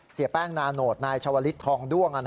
เสียแป้งนาโนทนายชาวลิศทองด้วง